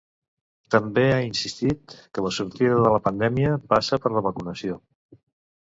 També ha insistit que la sortida de la pandèmia passa per la vacunació.